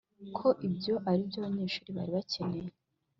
ko ibyo ari byo abanyeshuri bari bakeneye